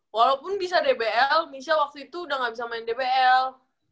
walaupun bisa dbl michelle waktu itu udah gak bisa main dpl